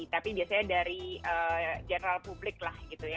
tapi biasanya dari general publik lah gitu ya